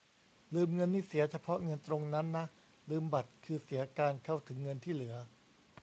ลืมเงินนี่เสียเฉพาะเงินตรงนั้นนะ ลืมบัตรคือเสียการเข้าถึงเงินที่เหลือ